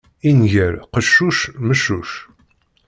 Inger qeccuc, meccuc.